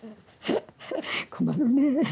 困るね。